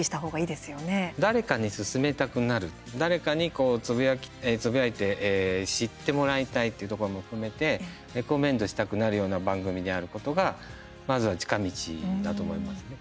誰かに勧めたくなる誰かにつぶやいて知ってもらいたいっていうところも含めてレコメンドしたくなるような番組であることがまずは近道だと思いますね。